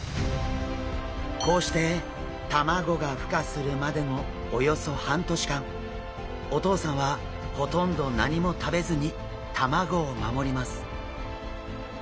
こうして卵がふ化するまでのおよそ半年間お父さんはほとんど何も食べずに卵を守ります。